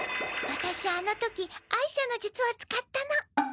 ワタシあの時哀車の術を使ったの。